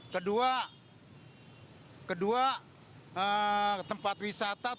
kedua tempat wisata